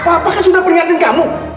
papa kan sudah peringatin kamu